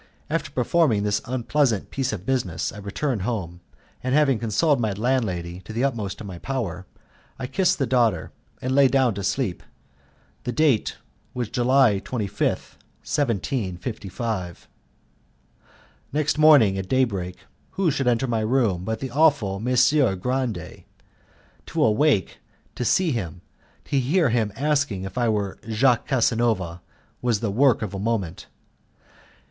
After performing this unpleasant piece of business I returned home, and, having consoled my landlady to the utmost of my power, I kissed the daughter, and lay down to sleep. The date was July 25th, 1755. Next morning at day break who should enter my room but the awful Messer Grande. To awake, to see him, and to hear him asking if I were Jacques Casanova, was the work of a moment.